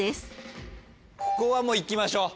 ここはもういきましょう。